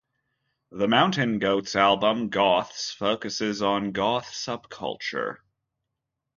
The Mountain Goats album Goths focuses on goth subculture.